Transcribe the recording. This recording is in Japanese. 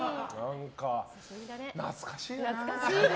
懐かしいね。